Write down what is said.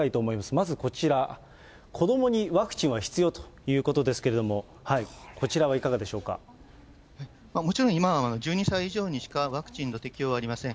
まずこちら、子どもにワクチンは必要？ということですけれども、こちらはいかもちろん、今は１２歳以上にしかワクチンの適用はありません。